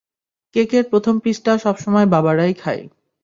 কেকের প্রথম পিসটা সবসময় বাবারাই খায়!